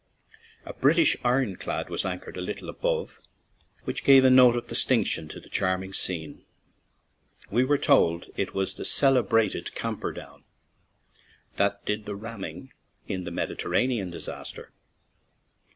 A British iron clad was anchored a little above, which gave a note of dis tinction to the charming scene; we were told it was the celebrated Camperdown, that did the ramming in the Mediterranean disaster.